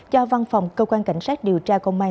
cho văn phòng cơ quan cảnh sát điều tra công an